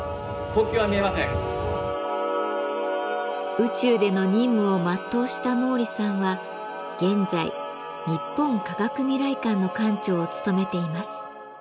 宇宙での任務を全うした毛利さんは現在日本科学未来館の館長を務めています。